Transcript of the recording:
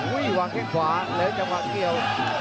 อุ้ยหวังแค่ขวาแล้วยังหวังเดียว